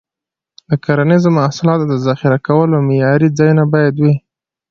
د کرنیزو محصولاتو د ذخیره کولو معیاري ځایونه باید وي.